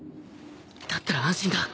だったら安心だ